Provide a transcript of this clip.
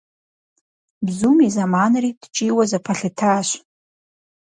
Бзум и зэманри ткӀийуэ зэпэлъытащ.